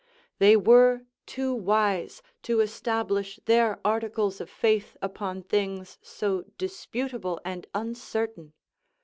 They were too wise to establish their articles of faith upon things so disputable and uncertain.